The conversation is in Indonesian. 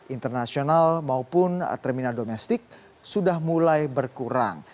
internasional maupun terminal domestik sudah mulai berkurang